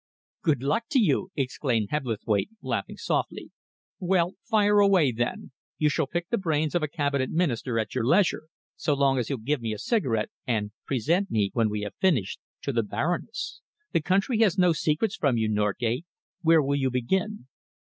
"Good luck to you!" exclaimed Hebblethwaite, laughing softly. "Well, fire away, then. You shall pick the brains of a Cabinet Minister at your leisure, so long as you'll give me a cigarette and present me, when we have finished, to the Baroness. The country has no secrets from you, Norgate. Where will you begin?"